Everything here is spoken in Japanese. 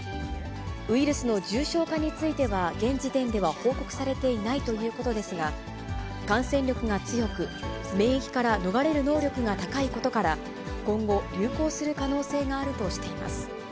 ウイルスの重症化については現時点では報告されていないということですが、感染力が強く、免疫から逃れる能力が高いことから、今後、流行する可能性があるとしています。